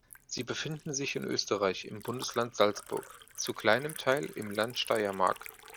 Sie befinden sich in Österreich im Bundesland Salzburg, zu kleinem Teil im Land Steiermark.